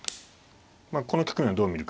この局面をどう見るかですかね。